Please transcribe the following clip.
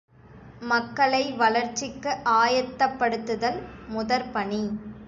மக்களை வளர்ச்சிக்கு ஆயத்தப்படுத்துதல் முதற்பணி.